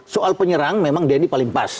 soal penyerang memang dendy paling pas